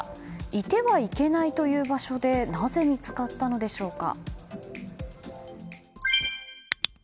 いてはいけないという場所でなぜ見つかったのでしょうか。